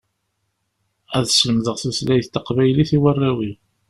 Ad slemdeɣ tutlayt taqbaylit i warraw-iw.